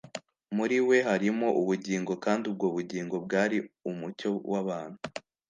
«Muri we harimo ubugingo, kandi ubwo bugingo bwari umucyo w'abantu.'»